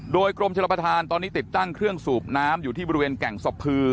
โดยกรมชนประธานตอนนี้ติดตั้งเครื่องสูบน้ำอยู่ที่บริเวณแก่งสะพือ